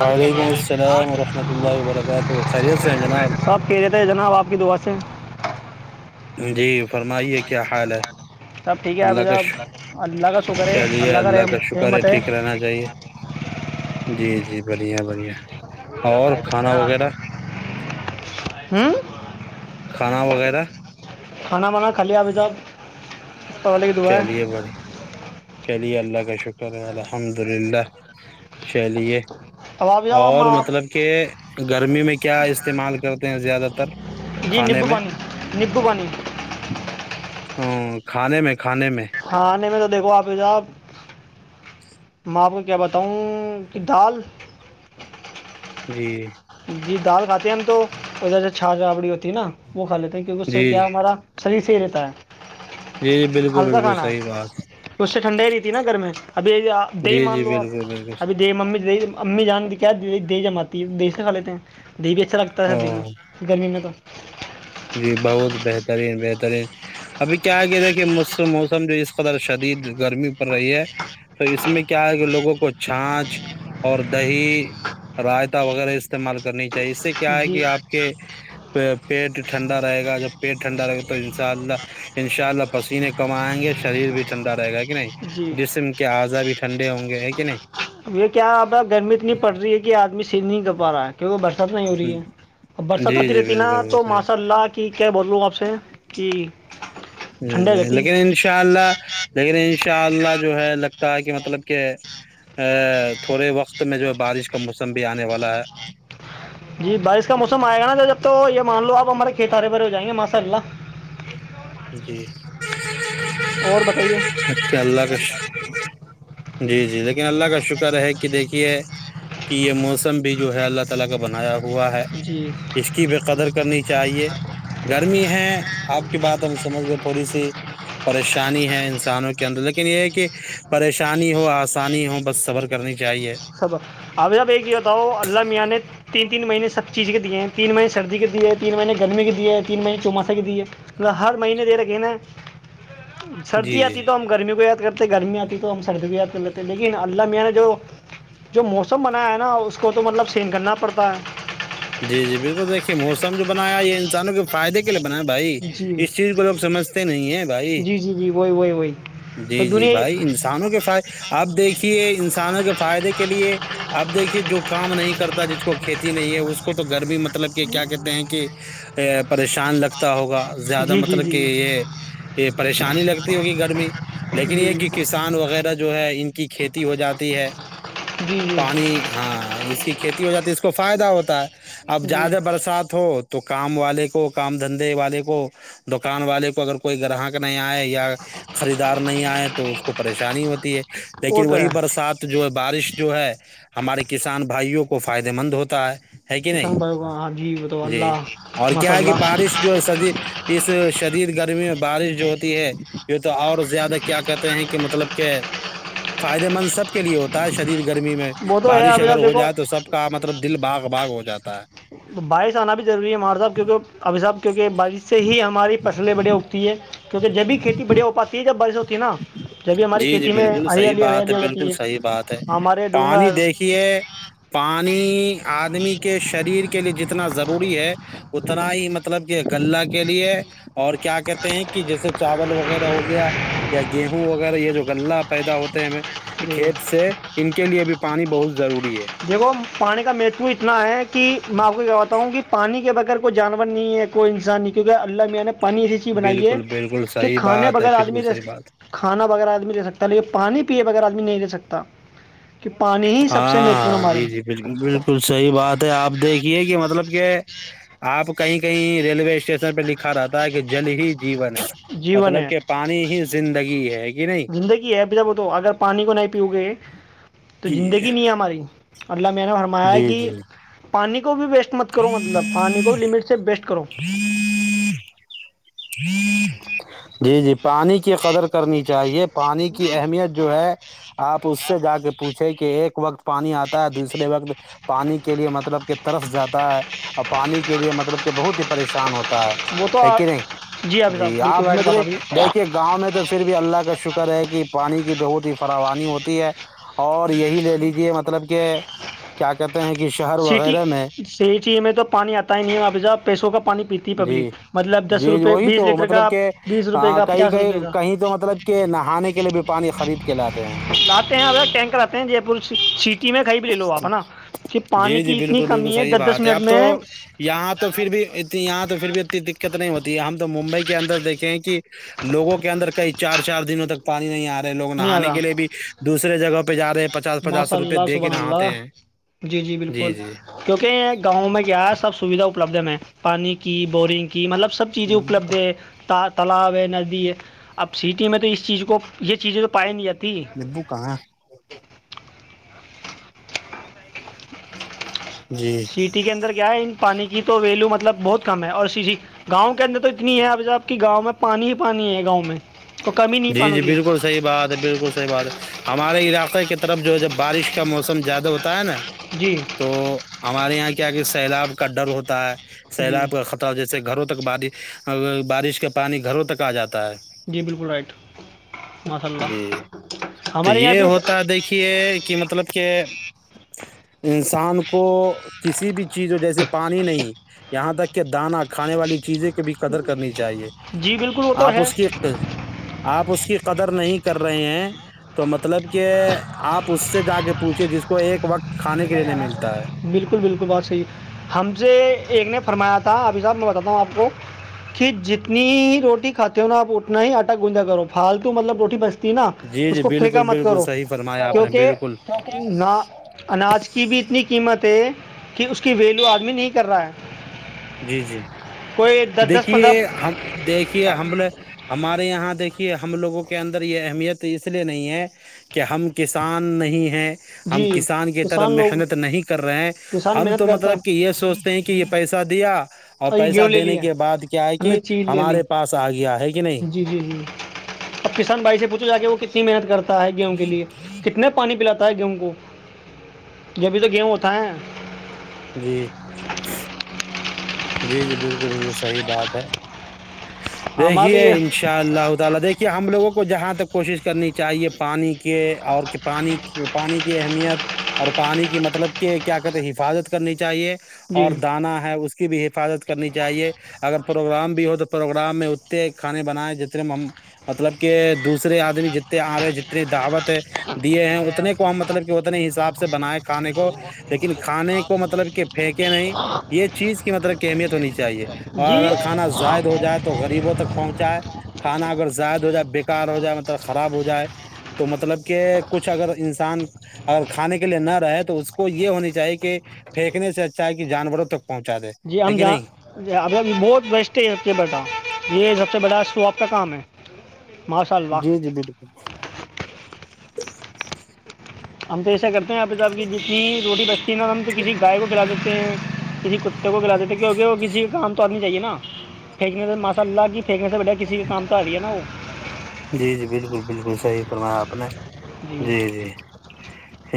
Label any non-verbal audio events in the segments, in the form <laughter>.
وعلیکم السلام ورحمت اللہ وبرکاتہ خیریت ہیں جناب سب کہہ رہے تھے جناب آپ کی دعا سے جی فرمائیے کیا حال ہے سب ٹھیک ہے ابھی اللہ کا شک... صاحب اللہ کا شکر ہے چلیے اللہ کا ر شکر رحمت ہے ٹھیک رہنا چاہیے جی جی بڑھیا بڑھیا اور کھانا وغیرہ ہوں کھانا وغیرہ کھانا مناہ خال آبتا چلیے بڑی چلیے اللہ کا شکر ہے الحمد للہ چلیے اب ابھی صاحب ہم اور مطلب آپ کہ گرمی میں کیا استعمال کرتے ہیں زیادہ تر جی کھانے نب میں وانی نب وانی ہ کھانے میں کھانے میں ہاں نہیں م تو دیکھو آپ صاحب میں آپ کو کیا بتاؤں کہ دال جی جی دال کھاتے ہیں ہم تو ادھر سے چھا چھاابڑی ہوتی ہے نا وہ کا لیتے ہیں کیونکہ جی سر کیا ہمارا صحیح سے ہی رہتا ہے جی جی بالکل ہلکا بالکل کھانا صحیح ہے بات اس سے ٹھنڈا ہی رہتی ہے نا گھر میں ابھی دہی جی مان جی لو بالکل آپ بالکل ابھی صحیح۔ د ممی دہی امی جان دی کہ دیی دے جماتی ہے د گلے تھ ہیں دیہی بھی اچھا لگتا ہے سب دن او میں گرمی میں تو جی بہت بہترین بہترین ابھی کیا ہے کہ دیکھیے مجھ موسم جو اس قدر شدید گرمی پر رہی ہے تو اس میں کیا ہے کہ لوگوں کو چھاچھ اور دہی رائتا وغیرہ استعمال کرنی اس سے کیا ہے جی کہ آپ کے پیٹ ٹھڈ رہے گا جب پیٹ ٹھڈا رہ گا تو ان شاء اللہ ان شاء اللہ پسینے کمائیں گے شریر بھی ٹھنڈا رہ گا نہیں جی ڈسم کیا آ جا بھی ٹھنے ہوں گے ہے کیا نہیں اب یہ کیا اب گرمی اتنی پڑ رہی ہے کہ آدمی سن نہیں کر پا رہا ہے کیونکہ برسات نہیں ہو رہی ہے ا برسات جی آتی جی رہتی نا بالکل تو صحیح ماشاء اللہ کہ کیا بول رہوں آپ سے جی ج لیکن ان شاء اللہ لیکن ان شاء اللہ جو ہے لگتا ہے کہ مطلب کہ تھوڑے وقت میں جو ہے بارش کا موسم بھی آنے والا ل جی بارش کا موسم آئے گا نا جب تو یہ مان لو آپ ہمارے کھیت ہرے بھرے ہو جائیں گے ماشاء اللہ جی اور بتائیے اچھا اللہ کا جی جی ل <unintelligible> ہوا ہے جی اس کی بے قدر کرنی چاہیے گرمی ہے آپ کی بات سمجھ گئے تھوڑی سی پریشانی ہے انسانوں کے اندر لیکن یہ ہے کہ پریشانی ہو آسانی ہو بس سبر کرنی چاہیے خبر ابھی جب ایک یہ بتاؤ اللہ میاں نے تین تین مہینے سب چیز کے دیے ہیں تین مہینے سردی کے دیے تین مہینے گرمی کے دیے تین مہینے چووماسہ کے دیے م ہر مہینے دے رکھے نا جی سردی آتی جی ہے تو ہم گرمی کو یا کرتے گرمی آتی تو ہم سرد بھی یاد کر لیتے ہیں لیکن اللہ م نےا جو جو موسم بنایا ہے نا اس کو تو مطلب سین کرنا پڑتا ہے جی جی بالکل دیکھیے موسم جو بنایا یہ انسانوں کے فائدے کے لیے بنا بھائی جی جی اس چیز کو لوگ سمجھتے نہیں ہے بھائی جی جی وہی وہی وہی تو جی جی دنیا بھائی انسانوں کے فد آپ دیکھیے انسان کسانوں کے فائدے کے لیے اپ دیکھیے جو کام نہیں کرتا جس کو کھیتی نہیں ہے اس کو تو گرمی مطلب مطلب کہ کیا کہتے ہیں کہ پریشان لگتا ہوگا زیادہ جی جی مطلب جی کہ یہ یہ پریشانی لگتی ہوگی گرمی لیکن جی یہ کہ کسان وغیرہ جو ہے ان کی کی کھیتی ہو جاتی ہے جی جی پانی ہاں یہ کی کھیتی ہو جاتی ہے اس کو فائدہ ہوتا ہے اب جی زیادہ برسات ہو تو کام والے کو کام دھندے والے کو دکان والے کو اگر کوئی گراہک نہیں آئے یا خریدار نہیں آئے تو اس کو پریشانی ہوتی ہے وہ لیکن تو ہے وہی برسات جو ہے بارش جو ہے ہمارے کسان بھائیوں کو فائدے مند ہوتا ہے ہے کہ کسان نہیں بھائی کو ہاں جی وہ تو جی اللہ اور ماشاء کیا ہے کہ اللہ بارش جو س اس شدید گرمی میں بارش جو ہوتی ہے یہ تو اور زیادہ کیا کہتے ہیں کہ مطلب کہ فائدے مند سب کے لیے ہوتا ہے شدید گرمی میں وہ تو ہے بارش ابھی اگر آپ ہو دیکھو جائے تو سب کا مطلب دل بھاگ باغ ہو جاتا ہے تو بارش آنا بھی ضوری ہے ہمارے صاحب کیونکہ ابھی صاحب کیونکہ بارش سے ہی ہماری فصلیں بڑے اگتی ہیں کیونکہ جب بھی کھیتی بڑیا ہو پاتی ہے جب بارشوں جی جی بالکل صحیح بات ہریالی ہے ہو جاتی بالکل صحیح بات ہے ہمارے پانی ڈونگر دیکھیے پانی آدمی کے شریر کے کے لیے جتنا ضروری ہے اتنا ہی مطلب کہ لہ کے لیے اور کیا کہتے ہیں کہ جیسے چاول وغیرہ ہو گیا یا گیہوں وغیرہ یہ جو غلہ پیدا ہوتے ہیں ہمیں جی کھیت سے ان کے لیے بھی پانی بہت ضروری ہے دیکھو پانی کا متو اتنا ہے کہ میں آپ کو کہواتا ہوں کہ پانی کے بغیر کو جانور نہیں ہے کوئی انسان نہیں کیونکہ اللہ میاں نے پانی ایسی چیز بنائیے بالکل بالکل کہ صحیح کھانے بات ہے بغیر بالکل آدمی صحیح رہ بات کھانا بغیر آدمی رہے سکتا ہے لیک پانی پیے بغیر آدمی بھی نہیں رہے سکتا کہ پانی ہی سب سے ہاں میھ ہاں جی جی بالکل بالکل صحیح بات ہے آپ دیکھیے کہ مطلب کہ آپ کہیں کہیں ریلوے اسٹیشن پہ لکھا رہاتا ہے کہ جل ہی جیون ہے جیون مطلب ہے کہ پانی ہی زندگی ہے کہ نہیں زندگی ہے ابھی وہ تو اگر پانی کو نہیں پیو گے تو جی زندگی نہیں ہے ہماری اللہ میاں نے فرمایا جی کہ جی پانی کو بھی ویسٹ مت کرو مطلب پانی کو بھی لمٹ سے سے بیسٹ <unintelligible> ہوں <unintelligible> ہ جی جی پانی کی قدر کرنی چاہیے پانی کی اہمیت جو ہے آپ اس سے جا کے پوچھے کہ ایک وقت پانی آتا ہے دوسرے وقت پانی کے لیے مطلب کہ ترس جاتا ہے اور پانی کے لیے مطلب کہ بہت ہی پریشان ہوتا تو وہ تو ہے کہ نہیں <unintelligible> حافظ جی صاحب آپ بالکل رائٹ بات مرے ابھی دیکھیے گاؤں میں تو پھر بھی اللہ کا شکر ہے کہ پانی کی بہت ہی فراوانی ہوتی ہے اور یہی لے لیجیے مطلب کہ کیا کہتے ہیں کہ شہر سٹی وغیرہ میں سٹی میں تو پانی آتا ہی نہیں ابھی ج پیسوں کا پانی پبلک جی مطلب دس جی روپ وہی بیس تو لیٹر مطلب کا کہ بیس روپئے کا کئی پچاس کئی روپئے کا کہیں تو مطلب کہ نہانے کے لیے بھی پانی خرید کے لاتے ہیں لے ہیں ا ٹینکر آتے ہیں جے سٹی میں ک بھی لے لو آپ نا جی پانی جی کی اتنی بالکل بالکل کمی صحیح دس دس بات ہے منٹ اب تو میں یہاں تو پھر بھی یہاں تو پھر بھی ات دقت نہیں ہوتی ہے ہم تو ممبئی کے اندر دیکھیں کہ لووں کے اندر کئی چار چار دنوں تک پانی نہیں آ رہا لوگ نہیں نہانے آتا کے لیے بھی دوسرے جگہ پہ جاے ہیں پچاس پچاس ماشاء روپئے اللہ دے کے سبحن اللہ نہاتے ہیں جی جی بالکل کیونکہ گاؤں میں کیا ہے سب سویدھا لبدھ میں پانی کی بورورنگ کی کہ مطلب سب چیز نیمبو اپلبد کا ہے تا تالاب ہے نزدی ہے اب سٹی میں تو اس چیز کو یہ چیزیں تو پائی نہیں جاتی نیمبو کہاں ج سٹی کے اندر کیا ہے ان پانی کی تو ویلو مطلب بہت کم ہے اوریی گاؤں کے اندر تو اتنی ہے ابھی صاحب کی گاؤں میں پانی ہی پانی ہے گاؤں میں تو کمی نہیں جی پانوں جی کی بالکل صحی بات ہے بالکل صحیح بات ہے ہم ہمارے علاقے کی طرف جو ہے جب بارش کا موسم زیادہ ہوتا ہے نا جی تو ہمارے یہاں کیا کہ سیلاب کا ڈر ہوتا ہے جی سیلاب کا خطر ہو جیسے گھروں تو تک بش بارش کا پانی گھروں تک آ جاتا ہے جی بالکل رائٹ ماشاء اللہ جی تو ہمارے یہاں یہ بھی ہوتا دیکھیے کہ مطلب کہ انسان کو کسی بھی چیز ہو جیسے پانی نہیں یہاں تک کہ دانا کھانے والی چیزیں کی بھی قدر کرنی چاہیے جی بالکل وہ تو آپ ہے اس کی آپ اس کی قدر نہیں کر رہے ہیں تو مطلب کہ آپ اس سے جا کے پوچھیے جس کو ایک وقت کھانے کے لیےنے ملتا ہے بالکل بالکل بہت صحیح ہم سے ایک نے فرمایا تھا ابھی صاب میں بتااتا ہوں آپ کو کہ جتنی روٹی کھاتے ہو نا آپ اتنا ہی آٹا گوجا کرو فالتو مطلب روٹی بچ نا جی اس جی کو پھینکا بالکل مت بالکل کرو صحیح فرمایا آپ نے کیونکہ بالکل نہ اناج کی بھی۔ اتنی تھ کہ اس کی ویلو آدمی نہیں کر رہا ہے جی جی کوئی دس دس دیکھیے پندرہ ہم دیکھیے ہم لے ہمارے یہاں دیکے کہ ہم لوگوں کے اندر یہ اہمیت اس لیے نہیں ہے کہ ہم کسان نہیں ہیں ہم جی کسان کی طرف محنت نہیں کر رہے ہیں کسان ہم محنت تو کرتا مطلب کہ یہ سوچتے ہیں کہ یہ پیسے کیا <unintelligible> اور یہ گیہوں لے لیا ہے ہم نے کہ چیز لے لی ہمارے پاس آ گیا ہے کہ نہیں جی جی جی اب کسان بھائی سے پوچھو جا کے وہ کتنی محنت کرتے ہے گیہوں کے لیے کتنے پانی پلااتے ہے گیہوں کو جبھی تو گیہوں ہوتا ہے جی جی جی بالکل بالکل صحیح بات ہے ہمارا تو دیکھیے یہ انشاءاللہ تعالی دیکھیے ہم لوگ کو جہاں تک کوشش کرنی چاہیے پانی کے اور پانی پانی کی اہمیت اور پانی کی مطلب کہ کیا کہتے ہیں حفاظت کرنی چاہیے جی اور دانا ہے اس کے بھی حفاظت کرنی چاہیے اگر پروگرام بھی ہو تو پروگرام میں اتتے کھانے بنائے جتنے ہم مطلب کہ دوسرے آدمی جتنے آ رہے جتنی دعوت ہے دیے ہیں اتنے کو ہم مطلب کہ اتنے حساب سے بنائے کھانے کو لیکن کھانے کو مطلب کہ پھینکے نہیں یہ کی مطلب کہ اہمیت ہونی چاہیے اور جی اگر کھانا زائد ہو جائے تو غریبوں تک پہنچائے کھانا اگر زائد ہو جائے بےیکار ہو جائے مطلب خراب ہو جائے تو مطلب کہ کچھ اگر انسان اگر کھانے کے لیے نہ رہے تو اس کو یہ ہونی چاہیے کہ پھینکنے سے اچھا کہ جانوروں تک پہنچا دے جی ہے ہم کہ نہیں ج اب بہت بیسٹ کے بیٹھا ہ یہ سب سے بڑا اسوپ کا کام ہے ماشاء جی اللہ جی بالکل <inaudible> ہم تو ایسے کرتے آپ کتاب کی جتنی روٹی بیٹھے ینر ہم تو کسی گائے کو کھلا دیتے ہیں کسی کتے کو کلا دیتے ہیں کیونکہ وہ کسی کام تو آدمی چاہیے نا پھینکنے سے ماسا اللہ کی پھینکنے سے بڈا کسی بھی کام تو آ رہی ہے نا وہ جی جی بالکل بالکل صحیح فرمایا آپ نے جی جی ت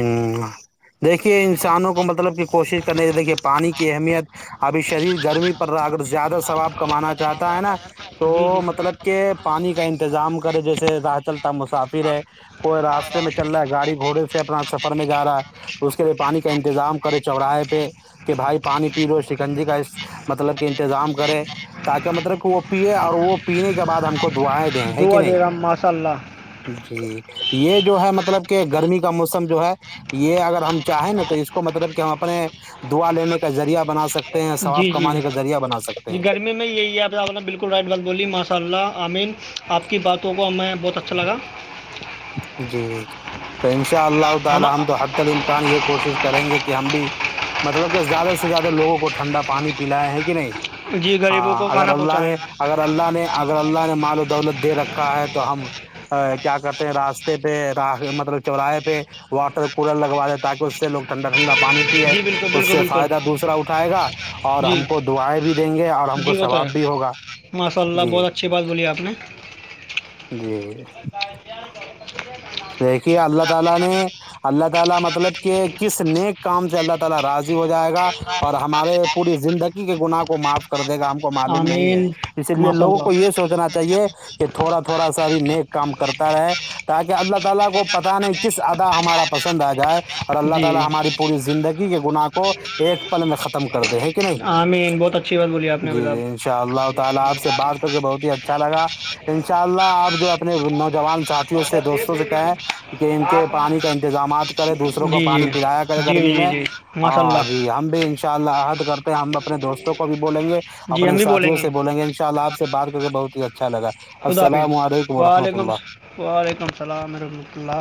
<unintelligible> دیکھیے انسانوں کو مطلب کہ کوشش نہیں دیکھیے پانی کی اہمیت ابھی شریر گرمی پر اگر زیادہ واب کمانا چاہتا ہے نا تو جی جی مطلب کہ پانی کا انتظام جیے راہ چل مسافر ہے کوئی راستے میں چل رہا ہے گاڑی گھوڑے سے سے اپنا سفر میں جا رہا ہے تو اس کے لیے پانی کا انتظام کرے چوراہے پہ کہ بھائی پانی پی لو شکنجی کا مطلب کہ انتظام کرے تاکہ مطلب کہ وہ پیے اور وہ پینے کے بعد ہم کو دوئے دیں ہیں کہ نہیں صلہلہ جی یہ جو ہے مطلب کہ گرمی کا موسم جو ہے یہ اگر ہم چاہے نا تو اس کو مطلب ہم اپنے دعا لینے کا ذریعہ بنا سکتے <unintelligible> جی جی کمانے کا ذریعہ بنا سکتے جی ہیں گرمی میں یہی ہے بالکل رائٹ بات بولی ماشاء اللہ امین <unintelligible> آپ کی باتوں کو میں میں بہت اچھا لگا <unintelligible> جی کئی <unintelligible> شاء اللہ تعی ہم تو حد ک ال امکان یہ کوشش کریں گے کہ کہ ہم بھی مطلب کہ زیادہ سے زیادہ لووں کو ٹھنڈا پانی پلاائے ہیں کہ نہیں جی غریبوں ہاں کو اگر کھانا اللہ نے پہنچائیں اگر اللہ نے اگر اللہ نے مال و دولت دے رکھ کا ہے تو ہم کیا کرتے <unintelligible> راستے پہ مطلب چوراہے پہ واٹر کولر لگوا د تاکہ اس سے لوگ ٹھنڈا ٹھنڈا <unintelligible> پانی پیئے جی بالکل اس بالکل سے بالکل فائدہ دوسرا اٹھائے گا اور جی ہم کو دعائیں بھی دیں گے اور ہم کو جی وہ تو ہے ثواب بھی ہوگا ماشاء اللہ جی بہت اچھی بات بولی آپ نے جی <unintelligible> <unintelligible> آئے گا اور ہمارے <unintelligible> پوری زندگی کے گنااہ کو معاف کر <unintelligible> گم کو معلوم نہیں ہے آمین اسی لیے ماشاء لوگوں کو اللہ یہ سوچنا چاہیے <unintelligible> کہ تھوڑا تھوڑا سا ابھی نیک کام کرتا رہے تاکہ <unintelligible> <unintelligible> <unintelligible> جی کو ایک پل میں ختم کر <unintelligible> <unintelligible> <unintelligible> آمین بہت اچھی بات بولی آپ نے ابھی صاحب جوان ساتھی ہو <unintelligible> دوستوں سے کہیں کہ ان کے پانی کا انتظامات کرے دوسروں کو جی پانی جی پلایا کرے گرمی جی جی میں جی ماشاء ہاں اللہ جی ہم بھی ان شاء اللہ عہد کرتے ہم <unintelligible> اپنے دوستوں کوب <unintelligible> بولیں گے جی اپنے ہم بھی ساتھیوں سے بولیں گے ان شاء اللہ آپ سے بات کر کے بہت ہی اچھا لگا خدا السلام حافظ علیکم رحمت وعلیکم اللہ <unintelligible> وعلیکم السلام رحمۃ اللہ